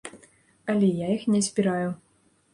Але я іх не збіраю.